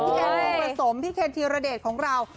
พี่แอนคงผสมพี่เคนธิรเดชของเรา